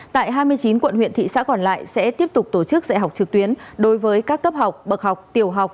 tại hai mươi chín quận huyện thị xã còn lại sẽ tiếp tục tổ chức dạy học trực tuyến đối với các cấp học bậc học tiểu học